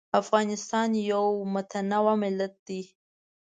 افغانستان یو متنوع ملت دی.